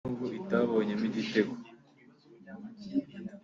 n’ubwo itabonyemo igitego